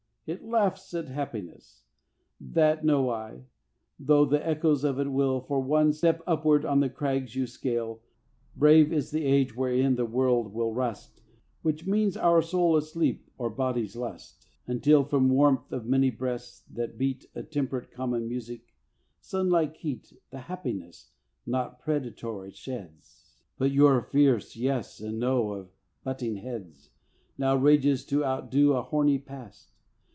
It laughs at Happiness! That know I, though the echoes of it wail, For one step upward on the crags you scale. Brave is the Age wherein the word will rust, Which means our soul asleep or body's lust, Until from warmth of many breasts, that beat A temperate common music, sunlike heat The happiness not predatory sheds! But your fierce Yes and No of butting heads, Now rages to outdo a horny Past.